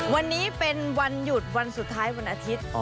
วันนี้เป็นวันหยุดวันสุดท้ายวันอาทิตย์